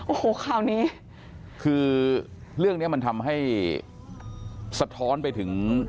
โอ้โหคราวนี้คือเรื่องนี้มันทำให้สะท้อนไปถึง